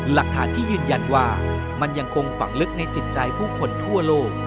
หลักฐานที่ยืนยันว่ามันยังคงฝังลึกในจิตใจผู้คนทั่วโลก